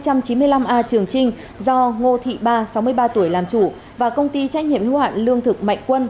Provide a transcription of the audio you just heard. hai mươi năm a trường trinh do ngô thị ba sáu mươi ba tuổi làm chủ và công ty trách nhiệm hưu hoạn lương thực mạnh quân